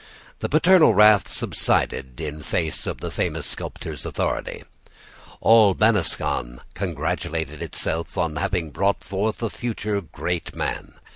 The paternal wrath subsided in face of the famous sculptor's authority. All Besancon congratulated itself on having brought forth a future great man.